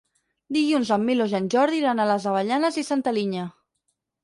Dilluns en Milos i en Jordi iran a les Avellanes i Santa Linya.